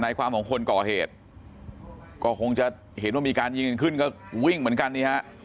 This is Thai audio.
ความของคนก่อเหตุก็คงจะเห็นว่ามีการยิงกันขึ้นก็วิ่งเหมือนกันนี่ฮะ